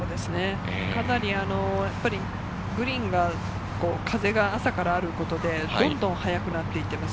かなりグリーンが、風が朝からあることで、どんどん速くなっていってます。